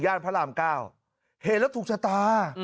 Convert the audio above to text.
พระรามเก้าเห็นแล้วถูกชะตา